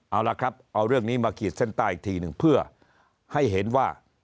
เอาละครับเอาเรื่องนี้มาขีดเส้นใต้อีกทีหนึ่งเพื่อให้เห็นว่า